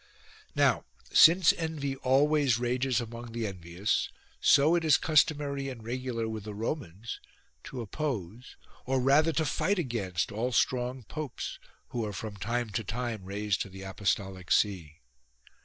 Now since envy always rages among the envious so it is customary and regular with the Romans to oppose or rather to fight against all strong Popes, who are from time to time raised to the apostolic see.